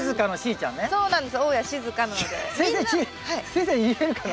先生言えるかな？